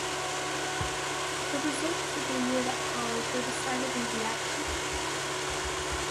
The results of the year that followed were decidedly reactionary.